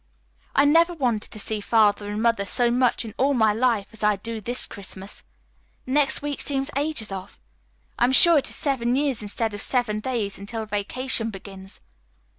"I never wanted to see Father and Mother so much in all my life as I do this Christmas. Next week seems ages off. I am sure it is seven years instead of seven days until vacation begins."